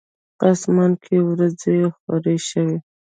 په اسمان کې وریځي خوری شوی